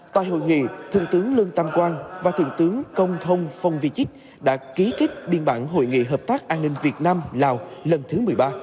tại hội nghị thượng tướng lương tam quang và thượng tướng công thông phong vi chích đã ký kết biên bản hội nghị hợp tác an ninh việt nam lào lần thứ một mươi ba